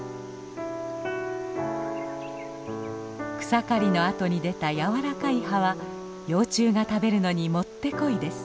草刈りのあとに出た柔らかい葉は幼虫が食べるのにもってこいです。